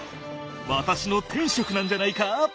私の天職なんじゃないか！？